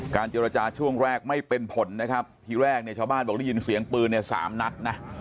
เจรจาช่วงแรกไม่เป็นผลนะครับทีแรกเนี่ยชาวบ้านบอกได้ยินเสียงปืนเนี่ย๓นัดนะ